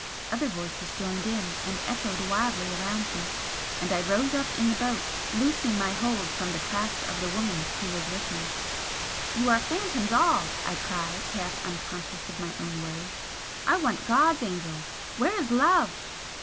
Other voices joined in and echoed wildly around me and I rose up in the boat, loosing my hold from the clasp of the woman who was with me. "You are phantoms all!" I cried, half unconscious of my own words "I want God's angels! Where is Love?"